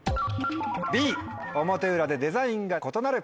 Ｂ表裏でデザインが異なる。